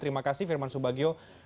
terima kasih firman subagio